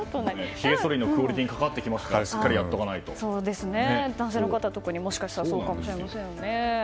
ひげそりのクオリティーに関わってきますから男性の方は、もしかしたらそうなのかもしれませんね。